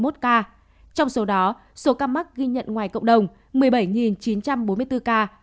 trong số đó số ca mắc ghi nhận ngoài cộng đồng một mươi bảy chín trăm bốn mươi bốn ca